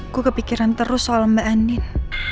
gue kepikiran terus soal mbak andin